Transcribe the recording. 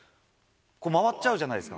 回っちゃうじゃないですか。